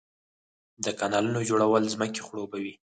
د کانالونو جوړول ځمکې خړوبوي